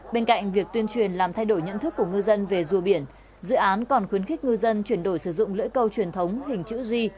bên cạnh việc tuyên truyền làm thay đổi nhận thức của ngư dân về rùa biển dự án còn khuyến khích ngư dân chuyển đổi sử dụng lưỡi câu truyền thống hình chữ g